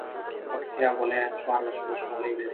پکتيا ولايت څوارلس ولسوالۍ لری.